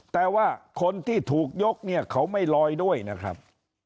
แต่ว่าคนที่ถูกยกเนี่ยเขาไม่ลอยด้วยนะครับ